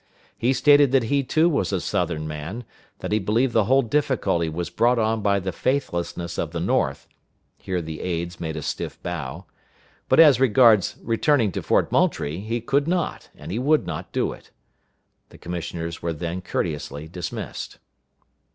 He stated that he, too, was a Southern man; that he believed the whole difficulty was brought on by the faithlessness of the North here the aids made a stiff bow but as regards returning to Fort Moultrie, he could not, and he would not, do it. The commissioners were then courteously dismissed.